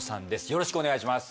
よろしくお願いします